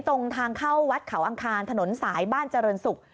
ตรงทางเข้าวัดเขาอังคารถนนสายบ้านเจริญศุกร์